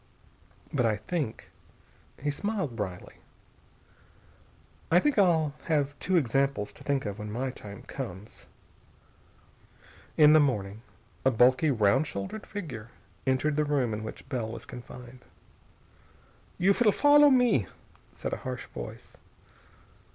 But I think" he smiled wryly "I think I'll have two examples to think of when my time comes." In the morning a bulky, round shouldered figure entered the room in which Bell was confined. "You will follow me," said a harsh voice.